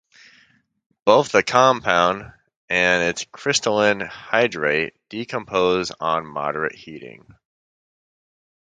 Both the compound and its crystalline hydrate decompose on moderate heating.